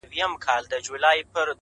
o نه؛ مزل سخت نه و. آسانه و له هري چاري.